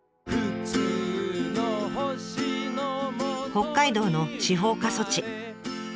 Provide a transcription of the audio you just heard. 北海道の司法過疎地。